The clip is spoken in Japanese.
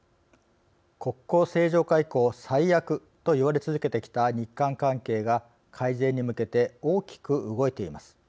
国交正常化以降、最悪と言われ続けてきた日韓関係が改善に向けて大きく動いています。